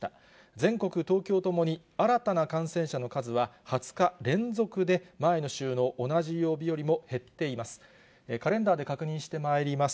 全国、東京ともに新たな感染者の数は２０日連続で前の週の同じ曜日よりも減っています。